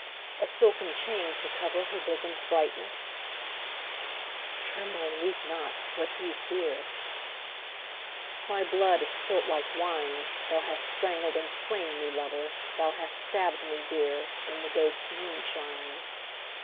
A silken chain, to cover Her bosom's brightness ? (Tremble and weep not : what dost thou fear ?)— My blood is spUt like wine, Thou hast strangled and slain me, lover. Thou hast stabbed me dear. In the ghosts' moonshine.